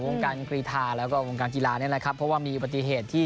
วงการกรีธาแล้วก็วงการกีฬานี่แหละครับเพราะว่ามีอุบัติเหตุที่